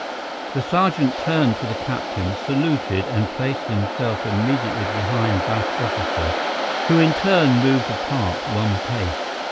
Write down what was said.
The sergeant turned to the captain, saluted and placed himself immediately behind that officer, who in turn moved apart one pace.